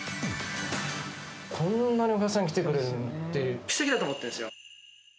こんなにお客さん来てくれるって、奇跡だと思ってるんですよ。